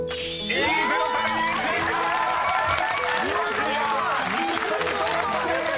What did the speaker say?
２０ポイント獲得です］